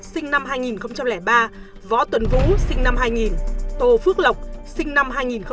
sinh năm hai nghìn ba võ tuần vũ sinh năm hai nghìn tô phước lộc sinh năm hai nghìn